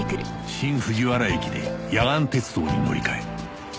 新藤原駅で野岩鉄道に乗り換え